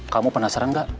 kamu penasaran gak